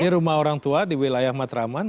ini rumah orang tua di wilayah matraman